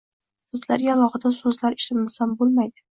Sizlarga alohida so‘zlar ishlatmasam bo‘lmaydi.